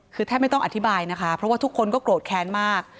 คือแทบไม่ต้องอธิบายนะคะเพราะว่าทุกคนก็โกรธแค้นมาก